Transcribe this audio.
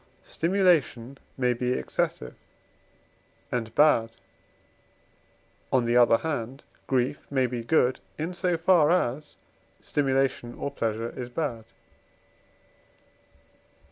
Stimulation may be excessive and bad; on the other hand, grief may be good, in so far as stimulation or pleasure is bad.